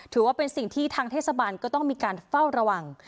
ถือว่าเป็นสิ่งที่ทางเทศบาลก็ต้องมีการเฝ้าระวัง